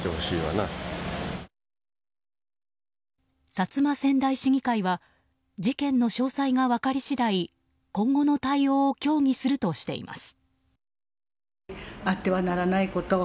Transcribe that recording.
薩摩川内市議会は事件の詳細が分かり次第今後の対応を協議するとしています。